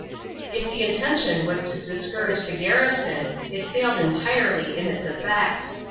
If the intention was to discourage the garrison it failed entirely in its effect.